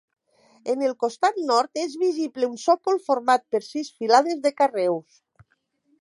En el costat nord és visible un sòcol format per sis filades de carreus.